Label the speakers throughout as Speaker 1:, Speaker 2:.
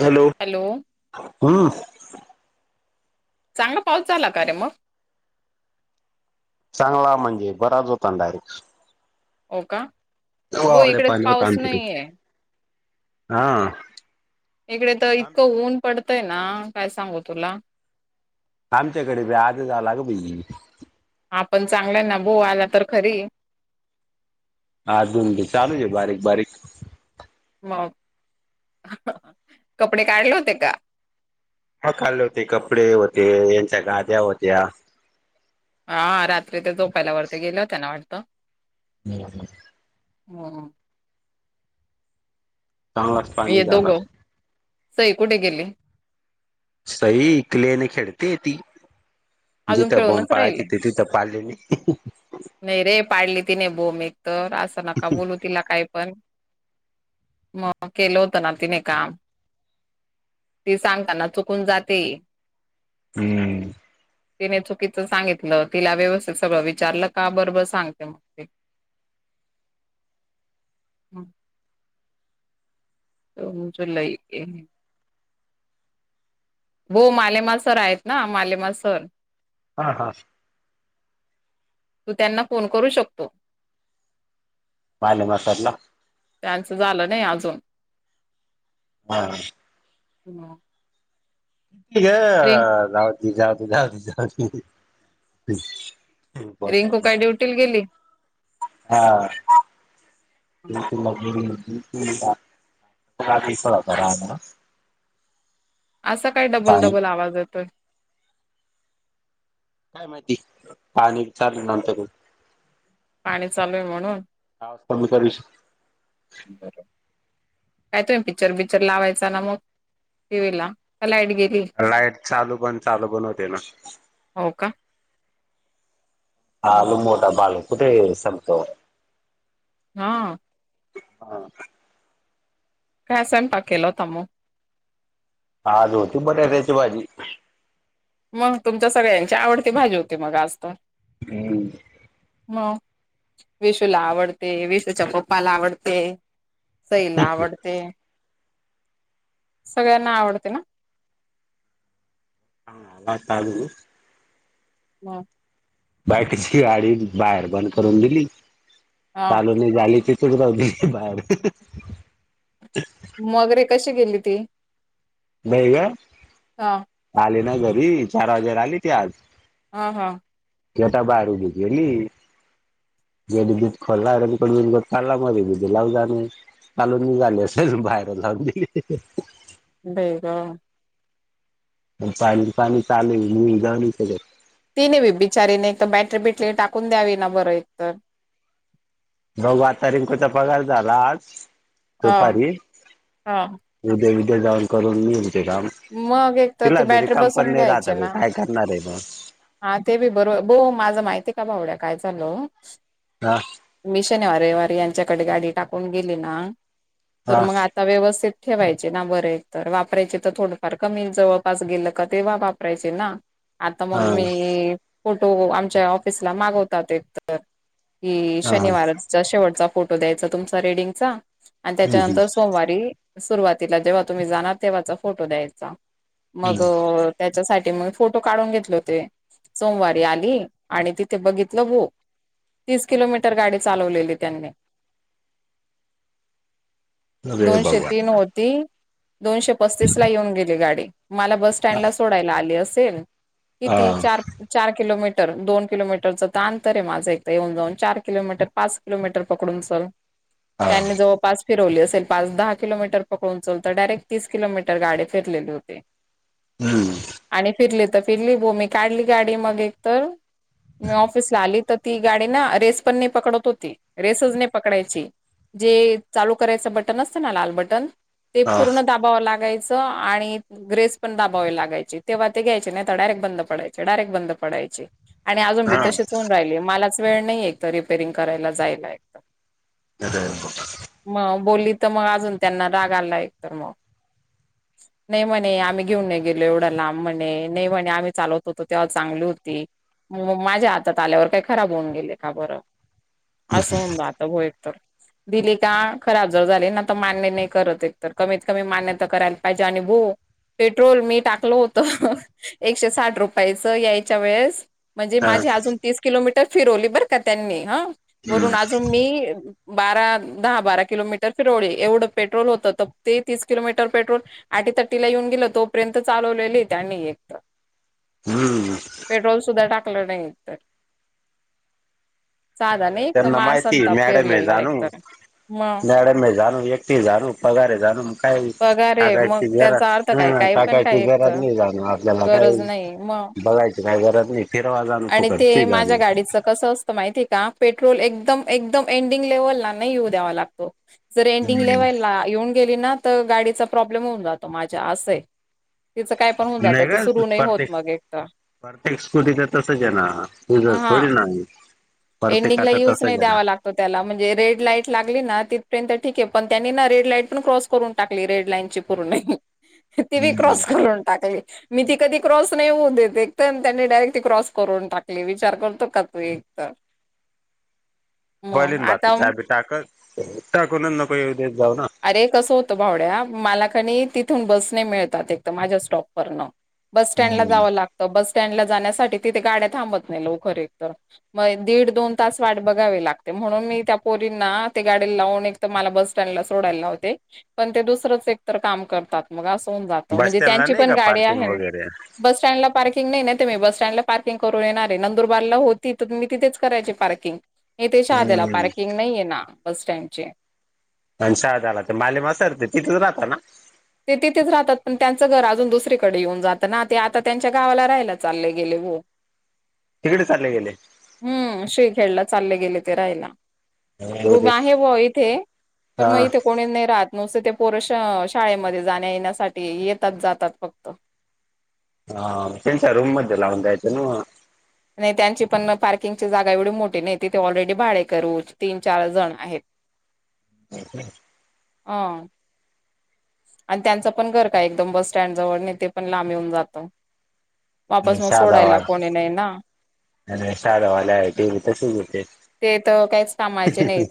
Speaker 1: Hello.
Speaker 2: Hello.
Speaker 1: हम्म.
Speaker 2: चांगा पाऊस झाला. का रे मग
Speaker 1: चांगला म्हणजे बराच होता. डायरेक्ट.
Speaker 2: हो का? हो
Speaker 1: एवढे
Speaker 2: इकडेच
Speaker 1: पाणी
Speaker 2: पाऊस
Speaker 1: होते.
Speaker 2: नाहीये
Speaker 1: हा.
Speaker 2: इकडेइतकं ऊन पडतंय. ना काय सांगू तुला.
Speaker 1: आमच्याकडआज आला.
Speaker 2: हा. पण चांगलाय. ना आला तर खरी
Speaker 1: अजून बी बारीक बारीक चालू आहे.
Speaker 2: कपडे काढले होते. का?
Speaker 1: कपडे होते. यांच्या गाद्या होत्या.
Speaker 2: रात्री ते झोपायला वरती गेले. त्यांना वाटतं.
Speaker 1: हम् [unintelligible]
Speaker 2: हहा.
Speaker 1: चांगलाच पाणी
Speaker 2: हे दोघ.
Speaker 1: झाला.
Speaker 2: सई कुठे गेली.
Speaker 1: सई इकडे खेळते
Speaker 2: अजून
Speaker 1: जिथे बोम
Speaker 2: खेळूनच राहिले
Speaker 1: पाळले नाही [unintelligible] हचा.
Speaker 2: नाही रे पाडली ती. न बोम एक तर असं नका. बोलू. तिला काही पण मग केलं होतं ना तिने काम. ते सांगताना चुकून जाते.
Speaker 1: हम्म.
Speaker 2: तिने चुकीचं सांगितलं. तिला व्यवस्थित सगळं विचारलं का बरोबर सांगते. मग ते जो. लय. हो. मालेमा सर आहेत. ना मालेमा सर.
Speaker 1: हां. हां.
Speaker 2: तू. त्यांना. फोन करू शकतो.
Speaker 1: पाले. मसाातला
Speaker 2: त्यांचं झालं. नाही. अजून
Speaker 1: हा. ह.
Speaker 2: हहा.
Speaker 1: ठीके अह जाऊती जाऊती जाऊती जाऊती बस
Speaker 2: रिंकू काय ड्युटीला गेली
Speaker 1: हा. गरा ना [unintelligible]
Speaker 2: असा काय डबल
Speaker 1: पाणी
Speaker 2: डबल आ वाज येतोय.
Speaker 1: काय माहिती. पाणी विचारलं नंतर
Speaker 2: पाणी चालूय म्हणून
Speaker 1: आवाज कमी करू शक
Speaker 2: बरोब काय तो पिक्चर बिक्चर लावायचा. ना मग टी व्ही ला तर लाईट घेत.
Speaker 1: लाईट चालू पण चालू पण होते ना.
Speaker 2: हो का?
Speaker 1: हालू मोठा बाल कुठे संपतो. [unintelligible]
Speaker 2: हा.
Speaker 1: हा.
Speaker 2: काय स्वयंपाक केला होता मगं?
Speaker 1: आज होती बटाट्याची भाजी.
Speaker 2: मग तुमच्या सगळ्यांची आवडती भाजी होती मग आज तर
Speaker 1: उम्म.
Speaker 2: म विशूला आवडते विशूच्या पप्पाला आवडते. सईला आवडते सगळ्यांना आवडते ना?
Speaker 1: हा आ चालू
Speaker 2: म.
Speaker 1: बाईकची गाडी बाहेर बंद करून दिली
Speaker 2: हा
Speaker 1: चालू आणि झाली [unintelligible] बाहेर
Speaker 2: मग रे कशी गेली ती?
Speaker 1: [unintelligible] का?
Speaker 2: हा.
Speaker 1: आले ना घरी चार वाजेला आली ती आज
Speaker 2: हा हा.
Speaker 1: की आता बाहेर उभी केली. [unintelligible] खोलाला [unintelligible] लाव जाणे [unintelligible] झाले असेल बाहेर जाऊ
Speaker 2: बेगम
Speaker 1: पण पायरी पाणी चालूये मी [unintelligible]
Speaker 2: तिने बी बिचारीने एक तर बॅटरी बिटरी टाकून द्यावी ना बरं एकतर.
Speaker 1: भावा आता रिंकूचा पगार झाला आज
Speaker 2: हा
Speaker 1: दुपारी.
Speaker 2: हा
Speaker 1: उद्या बिद्या जाऊन करून घेईल ते काम
Speaker 2: मग एक तर ती
Speaker 1: तिला बी
Speaker 2: बॅटरी
Speaker 1: रिकाम पण
Speaker 2: बसवून
Speaker 1: नाही राहत
Speaker 2: घ्यायची
Speaker 1: बे
Speaker 2: ना.
Speaker 1: काय करणार आहे मग
Speaker 2: हा ते बी बरो बऊ माझं माहिती आहे का भावड्या काय झालं?
Speaker 1: हा.
Speaker 2: मी शनिवारी रविवारी यांच्याकडे गाडी टाकून गेली ना तर
Speaker 1: हा
Speaker 2: मग आ तर व्यवस्थित ठेवायचे ना बरे तर वापरायचे तर थोडं सारखा मी जवळपास गेल का तेव्हा वापरायचे ना आता
Speaker 1: हा
Speaker 2: मग मी फोटो आमच्या ऑफिसला मागवतातयत तर कि
Speaker 1: हा हम्म
Speaker 2: शनिवारच शेवटचा फोटो द्यायचा तुमचा रेडिंगचा आणि
Speaker 1: हम्म
Speaker 2: त्याच्यानंतर सोमवारी सुरुवातीला जेव्हा तुम्ही जाणार तेव्हाचा फोटो द्यायचा मग
Speaker 1: हम्म
Speaker 2: अह त्याच्यासाठी मग फोटो काढून घेतले होते. सोमवारी आली आणि तिथे बघितलं गो तीस किलोमीटर गाडी चालवलेली त्यांनी
Speaker 1: अरे
Speaker 2: दोनशे
Speaker 1: भगवान
Speaker 2: तीन होती दोनशे पस्तीसला येऊन गेल. गाडी मला बस
Speaker 1: हा
Speaker 2: स्टँडला सोडायला आली असेल किती
Speaker 1: हा
Speaker 2: चार चार किलोमीटर दोन किलोमीटरचं तर अंतर आहे माझं एकथं येऊन जाऊन चार किलोमीटर पाच किलोमीटर पकडूनल त्यांनी जवळपास फिरवली असेल पाच दहा किलोमीटर पकडून चल तर डायरेक्ट तीस किलोमीटर गाडी फिरलेली होते.
Speaker 1: हम्म
Speaker 2: आणि फिरले तर फिरली बो मी काढली गाडी मग एक तर मी ऑफिसला आली तर ती गाडी ना रेस पण नाही पकडत होती रेसच नाही पकडायची. जे चालू करायचं बटन असतं ना लाल बटन ते
Speaker 1: हा
Speaker 2: पूर्ण दाबावं लागायचं. त अह आणि ग्रेस पण दाबावे लागायचे तेव्हा ते घ्यायचे नाही तर डायरेक्ट बंद पडायचे डायरेक्ट बंद पडायचे. आणि अजून बी तशीच होऊन राहिली मलाच वेळ नाहीये एक तर रिपेरिंग करायला जायला एक तर
Speaker 1: [unintelligible]
Speaker 2: मग बोली तर मग अजून त्यांना राग आला एक तर मग नाही म्हणे आम्ही घेऊन नाही गेलो एवढा लांब म्हणे नाही म्हणे आम्ही चालवत होतो ते आ्हा चांगली होती माझ्या हातात आल्यावर काही खराब होऊन गेले का बरं असं हो आता भा एक तर दिली का खराब जर झाले ना तर मान्य नाही करत एक तर कमीत कमी मान्य करायला पाहिजे आणि भो पेट्रोल मी टाकलो होत एकशे साठ रुपयाचं यायच्या वेळेस म्हणजे
Speaker 1: हा
Speaker 2: माझी अजून तीस किलोमीटर फिरवली बरं का त्यांनी ह वरून
Speaker 1: हम्म
Speaker 2: अजून मी बारा दहा बारा किलोमीटर फिरवली एवढं पेट्रोल होतं तर ते तीस किलोमीटर र पेट्रोल अटीथटी ला येऊन गेलं तोपर्यंत चालवलेली त्यांनी एक तर
Speaker 1: हम्म
Speaker 2: पेट्रोल सुद्धा टाकलं नाही तर साधा नाही तर
Speaker 1: त्यांना
Speaker 2: मा
Speaker 1: माहिती
Speaker 2: संताप
Speaker 1: न्याडमे
Speaker 2: पेरलेला एक
Speaker 1: जाणू
Speaker 2: तर मग
Speaker 1: न्याडमे जाणू एक. जा पगारे जाण काही
Speaker 2: पगार आहे मग
Speaker 1: सकायची जर
Speaker 2: त्याचा अर्थ काय
Speaker 1: ह
Speaker 2: काही पण
Speaker 1: सकायची
Speaker 2: काय ऐकत
Speaker 1: घरात नाही. जाण आपल्याला
Speaker 2: गरज
Speaker 1: काही
Speaker 2: नाही मग
Speaker 1: बघायची काय गरज नाही. फिरवाजाण फुकड ठीक
Speaker 2: [unintelligible]
Speaker 1: आहे.
Speaker 2: माहिती आहे का पेट्रोल एकदम एकदम एंडिंग लेवलला नाही येऊ द्यावा लागतो. जर एंडिंग
Speaker 1: हम्म
Speaker 2: लेवायला येऊन गेली ना तर गाडीचा प्रॉब्लेम होऊन जातो माझ्या असं. तिचं काय पण होऊन जात. ते सुरु नाही होत मग एक तर
Speaker 1: परफेक्ट स्कूटीच तसंच आहे ना तूझ
Speaker 2: हा
Speaker 1: थोडी ना. प्रत्येकाच
Speaker 2: एंडिंगला यूज
Speaker 1: तसंच
Speaker 2: नाही
Speaker 1: आहे ना
Speaker 2: द्यावा लागत. त्याला म्हणजे रेड लाईट लागली ना तिथपर्यंत ठीक आहे पण त्यांनी रेड लाईट पण क्रॉस करून टाकली रेड लाईन पर्ण ती बी क्रॉस करून टाकली. मी ती कधी क्रॉस नाही होऊन देते एक तर त्यांनी डायरेक्ट ती क्रॉस करून टाकली विचार करतो का तू एक तर. [unintelligible] मग
Speaker 1: बलीन भात
Speaker 2: आता
Speaker 1: च बी टाकत टाकूनच नको एउदेत जाऊ ना.
Speaker 2: अरे कसं होतं भावड्या मला कणी तिथून बस नाही मिळतात एक तर माझ्या स्टॉपवरनं. बस स्टँड ला
Speaker 1: हम्म
Speaker 2: जावं लागतं बस स्टँड ला जाण्यासाठी तिथे गाड्या थांबत नाही लवकर खरे तर. मग दीड दोन तास वाट बघावी लागते म्हणून मी त्या पोरींना ते गाडी लावून एक तर मला बस सँडला सोडायल लावते पण ते दुसरच एक तर काम करतात. मग असन जात
Speaker 1: बस
Speaker 2: म्हणजे
Speaker 1: स्टँडला
Speaker 2: त्यांची
Speaker 1: नाही
Speaker 2: पण
Speaker 1: का
Speaker 2: गाडी
Speaker 1: पार्किंग
Speaker 2: आहे
Speaker 1: वगैरे
Speaker 2: बस स्टँडला पार्किंग नाही त ते मी बस सटँडला पार्कंग करून येणारे नंदरबारला होती तर तम तिथेच करायची पार्किंग. हे तेच्या आध्याला
Speaker 1: हम्म
Speaker 2: पार्किंग नाहीये ना बस स्टँडचे.
Speaker 1: आणि शाळ झाला तर माले म सरते तिथच राहता ना.
Speaker 2: ते तिथेच राहतात पण त्यांचं घर अजून दुसरीकडे येऊन जातं ना ते आता त्यांच्या गावाला राहायला चालले गेले व. [unintelligible]
Speaker 1: तिकडे चालले गेले.
Speaker 2: हम्म श्री खेळला चालले गेले ते राहायला.
Speaker 1: हा
Speaker 2: रूम आहे व इथे पण मग
Speaker 1: हा
Speaker 2: इथे कोणी नाही राहत नुसते ते पोर शाळेमध्ये जाण्या येण्यासाठी येतात जातात फक्त.
Speaker 1: हा त्यांच्या रूममध्ये लावून जायचं ना मग.
Speaker 2: नाही त्यांची पण पार्किंगची जागा एवढी मोठी नाही तिथे ऑलरेडी भाडेकरू तीन चार जण आहेत. [inaudible]
Speaker 1: ह ह.
Speaker 2: ह. आणि त्यांचं पण घर काय एकदम बस स्टँड जवळ नाही ते पण लांबे होऊन जातं. वापस मग सोडायला
Speaker 1: शहादावाद
Speaker 2: कोणी नाही ना.
Speaker 1: आणि शाळे वाल्या आहे टेबी तसच होते.
Speaker 2: ते तर काहीच कामायचे नाहीत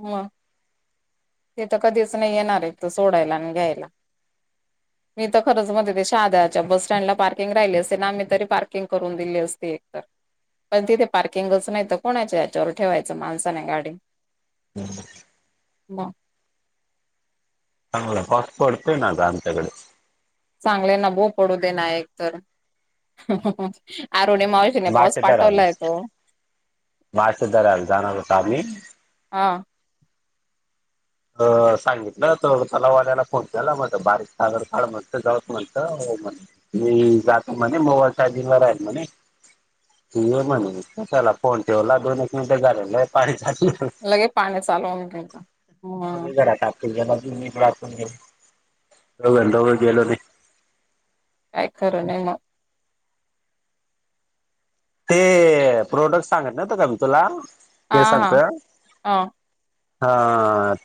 Speaker 2: मग ते तर कधीच नाही येणार आहे त सोडायला आणि घ्यायला. [unintelligible] मी तर खरं मणते ते शाध्याच्या बस स्टँडला पार्किंग राहिली असते ना मी तरी पार्किंग करून दिली असते एक तर. पण तिथे पार्किंगच नाही तर कोणाच याच्यावर ठेवायचं माणसाने गाडी. ह.
Speaker 1: अग पास पते ना कामत कड.
Speaker 2: चांगले नभो पडू दे ना एक तर आरणी मा नाही पाऊस पाठवलाय तो.
Speaker 1: मासे धरायला जाणार होतो आम्ही.
Speaker 2: हा.
Speaker 1: अ सांगितलं तर त्याला वाल्याला फोन केला मणज बारीक सादर ाड म्हणत जाऊत म्हणत म्हण. [unintelligible] म जातो म्हणे मोबाईल चार्जिंगला राहील म्हणे. ये म्हणेस कशला पोण ठेवला दोन एक मिनिटं झारालं आहे पाणी.
Speaker 2: लगे पाणी चालवून
Speaker 1: मग घरा टाक म मातून गे दोघ दोघ गेलो ते.
Speaker 2: काय खरं नाही मग.
Speaker 1: ते प्रोडक्ट सांगत नव्हत का मी तुला ते
Speaker 2: हा
Speaker 1: केसांच
Speaker 2: हा. हा
Speaker 1: हा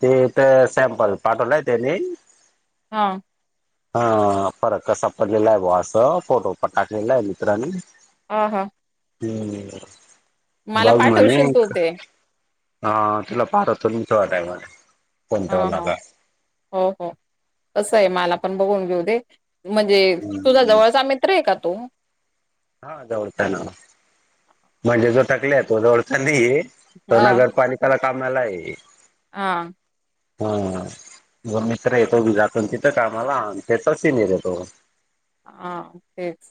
Speaker 1: ते तर सॅम्पल पाठवलाय त्यानी.
Speaker 2: हा.
Speaker 1: ह फरक कसा पडलेला आहे ब असं फोटो पाठवला आहे मित्रांनी.
Speaker 2: ह हां.
Speaker 1: हम्
Speaker 2: मला
Speaker 1: बाग म्हणे.
Speaker 2: पाठवशील तू ते
Speaker 1: हा तुला पाठवते थोड्यावेळाने
Speaker 2: हा हा हो हो असं आहे मला पण बघून घेऊ दे म्हणजे तुझा
Speaker 1: हम्म
Speaker 2: जवळचा मित्र आहे का तो
Speaker 1: हा जवळताना म्हणजे जो थकले आहे तो जवळता नाहीे तर
Speaker 2: हा
Speaker 1: नगरपालिकेला कामाला आहे
Speaker 2: हां
Speaker 1: हा ज मित्र येतोी जातो तिथं कामाला त्याथि नाही देतो
Speaker 2: हा तेच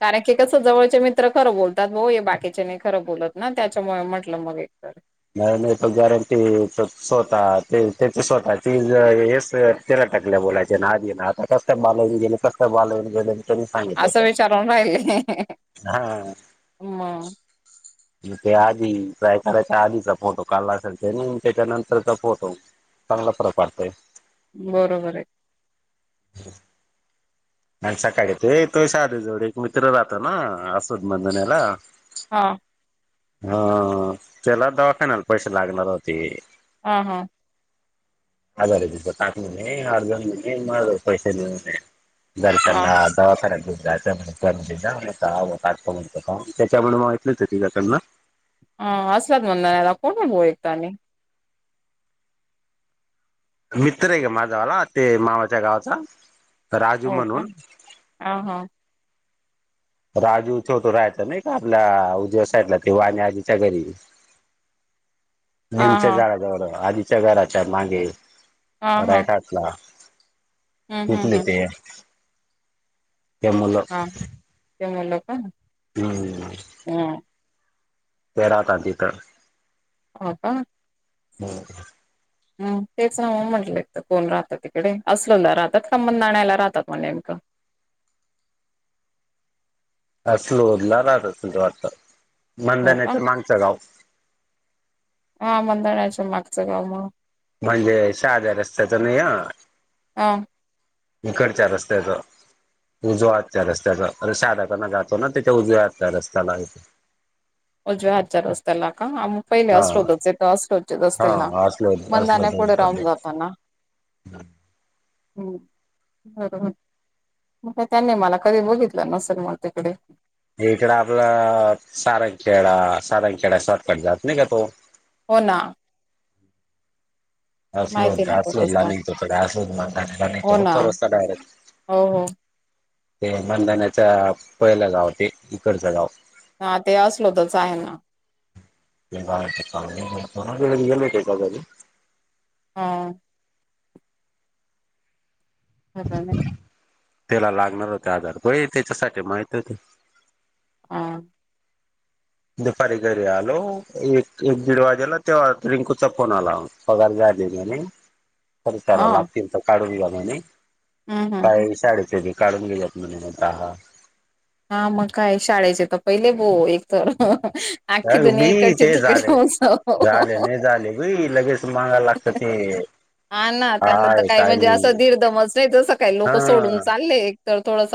Speaker 2: कारण की कसं जवळचे मित्र खरं बोलतात भाऊ हे बाकीचे नाही खरं बोलत ना त्याच्यामुळे म्हटलं मग एकत
Speaker 1: नाही नाही तो गॅरंटी स्वतः ते त्याच स्वतः ती हेच त्याला टकल्या बलाय ना आजी ना आता कस बाल गेले कसं बाल गे
Speaker 2: असं विचारून राहिले
Speaker 1: हा
Speaker 2: हम
Speaker 1: मग ते आधीयकराच्या आधीचा फोटो काल असेल ते नाही त्याच्या नंतरचा फोटो चांगला फरक वाडतय
Speaker 2: बरोबर आहे
Speaker 1: ह आणि सकाळी ते तो सा आधी जवळ एक मित्र राहतो ना असोद मंधनला
Speaker 2: हां
Speaker 1: हा त्याला दवाखान्याला पैसे लागणार होते
Speaker 2: ह हां
Speaker 1: अरे अर्धे पैसे माझे अर्धे पैसे माझे पैसे घेतले जरा
Speaker 2: हा
Speaker 1: त्यांना
Speaker 2: हा
Speaker 1: दवाखान्यात घेऊन जायचं म्हणत त्याच्यामुळे मागितलंच तिझकडन
Speaker 2: ह असलाात मंदला कोण बोलयत आणि
Speaker 1: मित्र आहे का माझावाला ते मामाच्या गावाचा राजू म्हणून
Speaker 2: अ ह
Speaker 1: राजूथेवतो राहायचा नाही का आपल्या उज्याव साईडला तेव्हा आणि आजीच्या घरी
Speaker 2: [inaudible]
Speaker 1: निमच्या झाडाजवळं आधीच्या घराच्या मागे
Speaker 2: हा हा
Speaker 1: रायटातला
Speaker 2: हम्म हम्म
Speaker 1: कठले
Speaker 2: हम्म
Speaker 1: ते त्या मुलं
Speaker 2: जमुळे लो का
Speaker 1: हम्
Speaker 2: हम
Speaker 1: परा त दि तर
Speaker 2: हो का
Speaker 1: बर
Speaker 2: हम तेच ना म्हटलं कोण राहत तिकडे असलला राहतात खबंध आणयला राहतात मग नेमकं
Speaker 1: असलोला रात असल तो वाता
Speaker 2: हो का
Speaker 1: मधनेच मागसं गाव
Speaker 2: हा मंदण्याच्या मागचं गाव मग
Speaker 1: म्हणजे शहाद्या रस्त्याच नाही ह
Speaker 2: हा
Speaker 1: इिकडच्या रस्त्याच उजवा त्या रस्त्याचा अे साधकांना जातो ना त्याच्या उजव्या आत त्या रस्त्यालाथे [unintelligible]
Speaker 2: उज््या हजार र असस्तला का [unintelligible] पहिले
Speaker 1: हा
Speaker 2: असलोतच य तर असलोच रस्तेना ना
Speaker 1: हा अस्लोद
Speaker 2: मधण्या
Speaker 1: अस्लोद
Speaker 2: पुढे राहून
Speaker 1: सध्या
Speaker 2: जातो ना हम् बरोबर त्यांनी मला कधी बघितलं नसेल मग तिकडे
Speaker 1: इकड आपला सारंगखेडा सारंगखेडा शॉर्टकट जात नाही का तो
Speaker 2: हो ना
Speaker 1: घाासलून
Speaker 2: माहिती आहे ना तो
Speaker 1: घाासू एला
Speaker 2: रस्ता
Speaker 1: नि ग घाासू म
Speaker 2: हो ना
Speaker 1: चोर असत डयरेट [inaudible]
Speaker 2: हो हो.
Speaker 1: ते बनधनाच्या [unintelligible] पहिलं गाव ते इकडचं गाव.
Speaker 2: हा ते असलो तरच आहे ना.
Speaker 1: कारी [unintelligible]
Speaker 2: हा. हो ना [unintelligible]
Speaker 1: त्याला लागणार होते आधार प [unintelligible] त्याच्यासाठी माहिती होते.
Speaker 2: ह.
Speaker 1: दुपारी घरी आलो एक एक दीड वाजेला तेव्हा रिंकूचा फोन आला. पगार झाले की नाही. तचारव [unintelligible]
Speaker 2: हा
Speaker 1: लागतील तर काढून घ्या म्ह आणि
Speaker 2: हम्म हम्म
Speaker 1: काही शाळेेत काढून घेऊत म्हण [unintelligible] दहा.
Speaker 2: हा मग काय शाळेचे तर पहिले भो एक तर आखी
Speaker 1: अग
Speaker 2: दुनिया
Speaker 1: बी
Speaker 2: इकडची
Speaker 1: ते
Speaker 2: तिकडे
Speaker 1: झाले
Speaker 2: होऊन जा.
Speaker 1: झाले नाही झाले बी लगेच मागायला लागतं ते
Speaker 2: हा ना त्यांना तर काय म्हणजे असं धीरदमज नाही तसं काही लोक सोडून
Speaker 1: हा
Speaker 2: चालले एक तर थोडस.